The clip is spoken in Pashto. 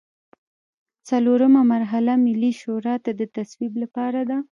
څلورمه مرحله ملي شورا ته د تصویب لپاره ده.